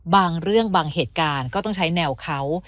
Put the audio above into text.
บางเรื่องบางเหตุการณ์ก็ต้องใช้แนวเขา